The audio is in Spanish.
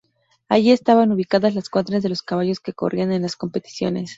Allí estaban ubicadas las cuadras de los caballos que corrían en las competiciones.